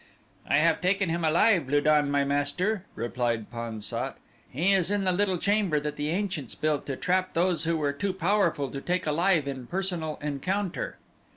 "I have taken him alive, Lu don, my master," replied Pan sat. "He is in the little chamber that the ancients built to trap those who were too powerful to take alive in personal encounter."